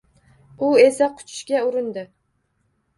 U esa quchishga urindi